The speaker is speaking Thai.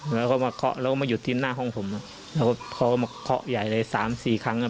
แล้วก็มาเคาะแล้วก็มาหยุดที่หน้าห้องผมแล้วก็เขาก็มาเคาะใหญ่เลยสามสี่ครั้งอ่ะ